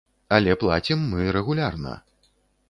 Але плацім мы рэгулярна.